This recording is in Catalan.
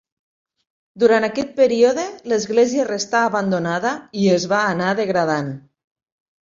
Durant aquest període l'església restà abandonada i es va anar degradant.